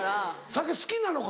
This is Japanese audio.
酒好きなのか？